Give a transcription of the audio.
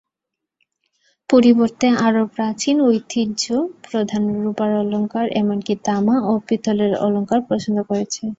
পরিবর্তে আরও প্রাচীন ঐতিহ্যপ্রধান রুপার অলঙ্কার, এমনকি তামা ও পিতলের অলঙ্কার পছন্দ করছে।